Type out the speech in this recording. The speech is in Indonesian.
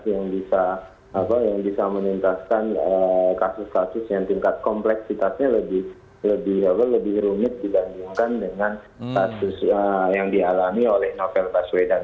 yang bisa menuntaskan kasus kasus yang tingkat kompleksitasnya lebih rumit dibandingkan dengan kasus yang dialami oleh novel baswedan